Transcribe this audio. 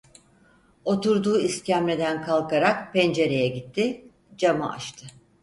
Oturduğu iskemleden kalkarak pencereye gitti, camı açtı.